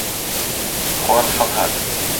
خۆر هەڵهات.